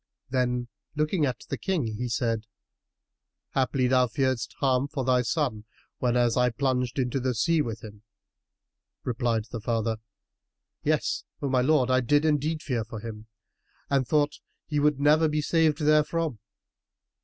Then, looking at the King he said, "Haply thou fearedst harm for thy son, whenas I plunged into the sea with him?" Replied the father, "Yes, O my lord, I did indeed fear for him and thought he would never be saved therefrom."